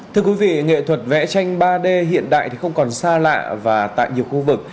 thưa quý vị nghệ thuật vẽ tranh ba d hiện đại không còn xa lạ và tại nhiều khu vực